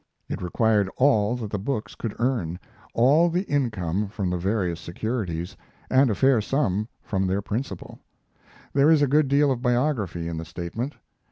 It required all that the books could earn, all the income from the various securities, and a fair sum from their principal. There is a good deal of biography in the statement.